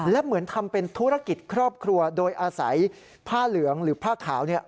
และเหมือนทำเป็นธุรกิจครอบครัวโดยอาศัยผ้าเหลืองหรือผ้าขาวเนี่ย